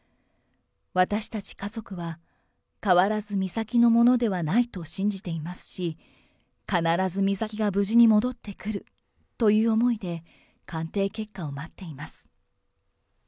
私たち家族は変わらず美咲のものではないと信じていますし、必ず美咲が無事に戻ってくるという思いで、鑑定結果を待っています。